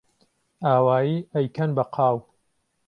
ئاوایی ئەیکەن بە قاو